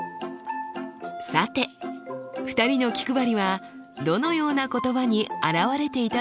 さて２人の気配りはどのような言葉に表れていたのでしょうか？